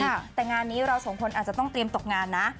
แต่งานนี้เราสองคนอาจจะต้องเตรียมตกงานนะ